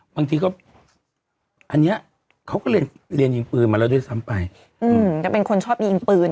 บางทีก็อันเนี้ยเขาก็เรียนเรียนยิงปืนมาแล้วด้วยซ้ำไปอืมก็เป็นคนชอบยิงปืน